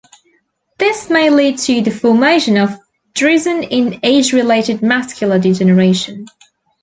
This may lead to the formation of drusen in age-related macular degeneration.